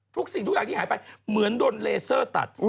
สิ่งทุกอย่างที่หายไปเหมือนโดนเลเซอร์ตัด